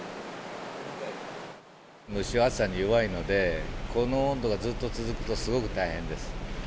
牛は暑さに弱いので、この温度がずっと続くとすごく大変です。